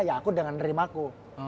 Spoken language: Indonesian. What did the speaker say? ya aku dengan nerima aku